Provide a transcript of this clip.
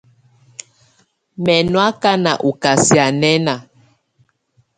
Mɛ́ nɔ́ ákáná ɔ kasianɛna.